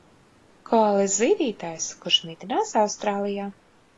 Koala ir zīdītājs, kurš mitinās Austrālijā.